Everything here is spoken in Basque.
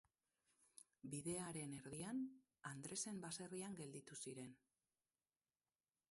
Bidearen erdian, Andresen baserrian gelditu ziren.